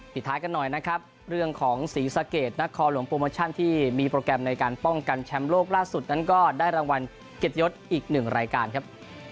ท้ายกันหน่อยนะครับเรื่องของศรีสะเกดนักคอหลวงโปรโมชั่นที่มีโปรแกรมในการป้องกันแชมป์โลกล่าสุดนั้นก็ได้รางวัลเกียรติยศอีกหนึ่งรายการครับ